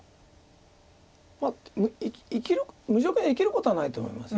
まあ無条件で生きることはないと思います。